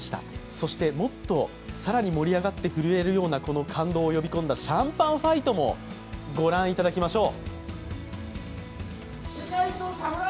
そしてもっと更に盛り上がって震えるようなこの感動を呼び込んだシャンパンファイトもご覧いただきましょう。